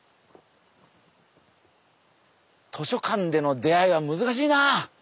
図書館での出会いは難しいな。